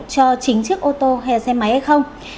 cho chính chiếc ô tô hay xe máy hay không